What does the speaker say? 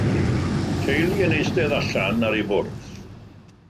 Teulu yn eistedd allan ar eu bwrdd.